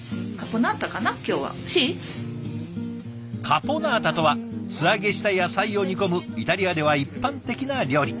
カポナータとは素揚げした野菜を煮込むイタリアでは一般的な料理。